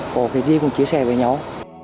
có cái gì cũng chia sẻ với nhau